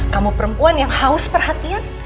kamu perempuan yang haus perhatian